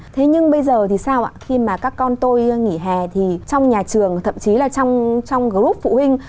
thế nhưng bây giờ thì sao ạ khi mà các con tôi nghỉ hè thì trong nhà trường thậm chí là trong group phụ huynh